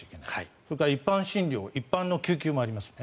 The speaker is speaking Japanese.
それから一般診療一般の救急もありますよね。